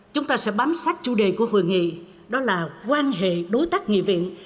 chúng ta sẽ bám sát chủ đề của hội nghị đó là quan hệ đối tác nghị viện